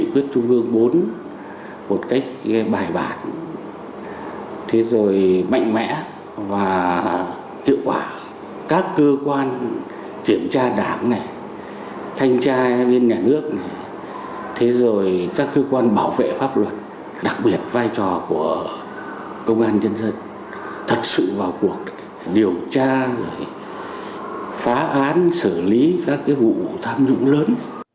các cơ quan kiểm tra đảng thanh tra bên nhà nước các cơ quan bảo vệ pháp luật đặc biệt vai trò của công an dân dân thật sự vào cuộc điều tra phá án xử lý các vụ tham nhũng lớn